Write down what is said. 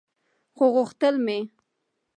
خو غوښتل مې